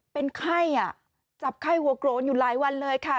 เป็นไข้อ่ะจับไข้หัวโกรนอยู่หลายวันเลยค่ะ